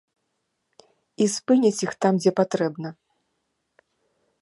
І спыняць іх там, дзе патрэбна.